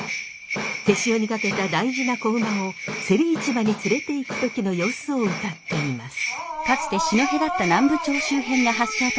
手塩にかけた大事な仔馬を競り市場に連れていく時の様子を歌っています。